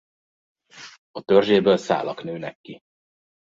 A törzséből szálak nőnek ki.